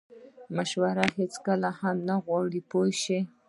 مشورې هیڅوک هم نه غواړي پوه شوې!.